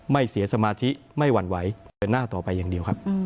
เสียสมาธิไม่หวั่นไหวเดินหน้าต่อไปอย่างเดียวครับ